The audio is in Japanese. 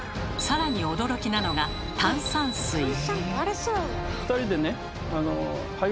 更に驚きなのが炭酸水。